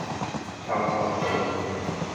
شفاف سازی